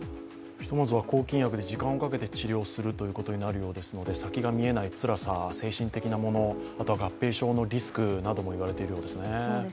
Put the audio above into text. ひとまずは抗菌薬で時間をかけて治療するということになるようですので、先が見えないつらさ、精神的なもの合併症のリスクもいわれているそうですね。